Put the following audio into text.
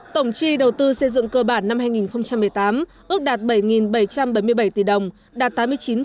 tổng chi đầu tư xây dựng cơ bản năm hai nghìn một mươi tám ước đạt bảy bảy trăm bảy mươi bảy tỷ đồng đạt tám mươi chín